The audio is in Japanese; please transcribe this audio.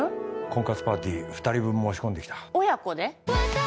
婚活パーティー二人分申し込んできた親子で！？